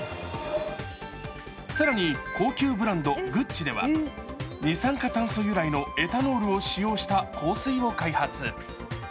更に高級ブランド、ＧＵＣＣＩでは二酸化炭素由来のエタノールを使用した香水を開発。